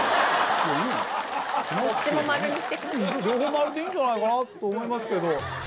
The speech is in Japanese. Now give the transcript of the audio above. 両方丸でいいんじゃないかなと思いますけど。